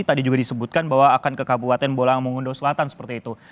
tadi juga disebutkan bahwa akan ke kabupaten bolang mongundo selatan seperti itu